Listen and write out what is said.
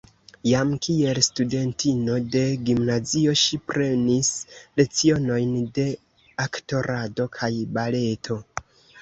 Jam kiel studentino de gimnazio ŝi prenis lecionojn de aktorado kaj baleto.